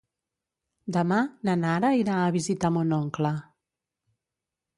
Demà na Nara irà a visitar mon oncle.